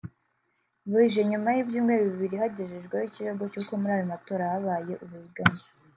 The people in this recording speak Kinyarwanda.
bije nyuma y’ibyumweru bibiri kagejejweho ikirego cy’uko muri ayo matora habaye uburiganya